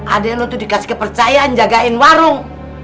adek lo tuh dikasih kepercayaan jagain warung